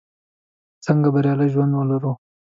څنګه بریالی ژوند ولرو?